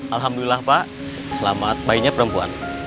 alhamdulillah pak selamat bayinya perempuan